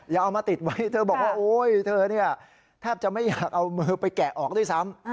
เอามาติดไว้เธอบอกว่าโอ๊ยเธอเนี่ยแทบจะไม่อยากเอามือไปแกะออกด้วยซ้ำ